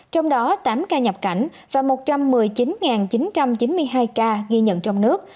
trong đó tám ca nhập cảnh và một trăm một mươi chín chín trăm chín mươi hai ca ghi nhận trong nước